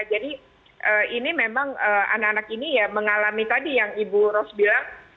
jadi ini memang anak anak ini ya mengalami tadi yang ibu ros bilang